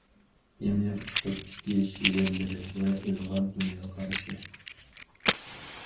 يېڭى ئۇسلۇبتىكى شېئىرلىرى ۋە ئىلغار دۇنيا قارىشى.